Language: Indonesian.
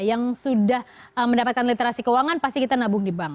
yang sudah mendapatkan literasi keuangan pasti kita nabung di bank